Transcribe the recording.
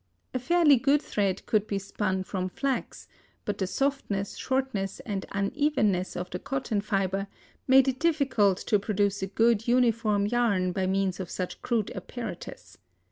A fairly good thread could be spun from flax, but the softness, shortness and unevenness of the cotton fiber made it difficult to produce a good uniform yarn by means of such crude apparatus.